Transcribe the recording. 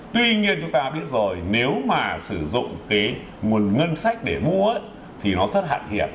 tuy nhiên chúng ta biết rồi nếu mà sử dụng cái nguồn ngân sách để mua thì nó rất hạn hẹp